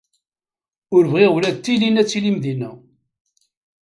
Ur bɣiɣ ula d tilin ara tilim din.